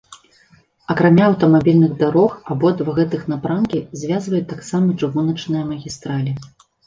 Акрамя аўтамабільных дарог абодва гэтых напрамкі звязваюць таксама чыгуначныя магістралі.